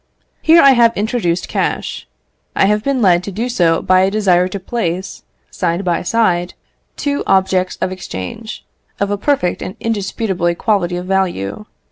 Here I have introduced cash; I have been led to do so by a desire to place, side by side, two objects of exchange, of a perfect and indisputable equality of value.